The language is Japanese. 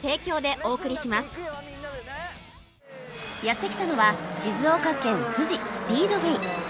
やって来たのは静岡県富士スピードウェイ